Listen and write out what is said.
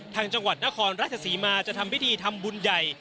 ทางจังหวัดนครรักษาศีมาจะทำวิธีทำบุญใหญ่